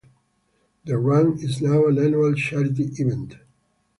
The run is now an annual charity event.